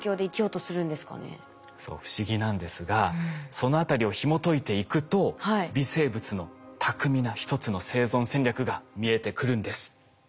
そう不思議なんですがそのあたりをひもといていくと微生物の巧みな一つの生存戦略が見えてくるんです。